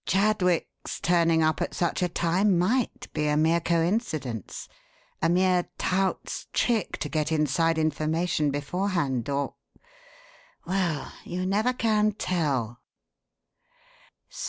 Chadwick's turning up at such a time might be a mere coincidence a mere tout's trick to get inside information beforehand, or Well, you never can tell.